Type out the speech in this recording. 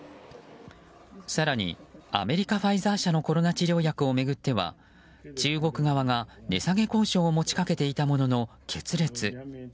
更にアメリカ・ファイザー社のコロナ治療薬を巡っては中国側が値下げ交渉を持ち掛けていたものの決裂。